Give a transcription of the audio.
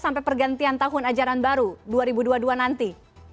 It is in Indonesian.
sampai pergantian tahun ajaran baru dua ribu dua puluh dua nanti